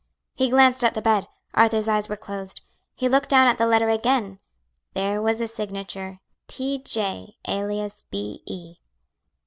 He glanced at the bed. Arthur's eyes were closed. He looked down at the letter again; there was the signature "T. J., alias B. E."